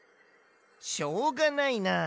しょうがないな。